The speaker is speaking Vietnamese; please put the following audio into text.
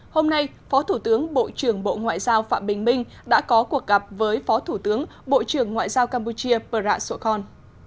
hôm nay phó thủ tướng bộ trưởng bộ ngoại giao phạm bình minh đã có cuộc gặp với phó thủ tướng bộ trưởng ngoại giao campuchia prasokhon